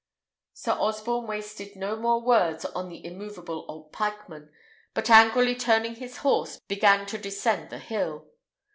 Sir Osborne wasted no more words on the immoveable old pikeman, but, angrily turning his horse, began to descend the hill.